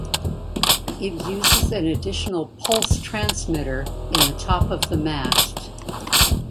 It uses an additional pulse transmitter in the top of the mast.